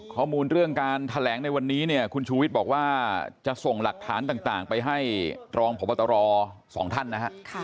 ข้อมูลเรื่องการแถลงในวันนี้เนี่ยคุณชูวิทย์บอกว่าจะส่งหลักฐานต่างไปให้รองพบตรสองท่านนะฮะ